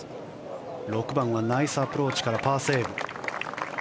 ６番はナイスアプローチからパーセーブ。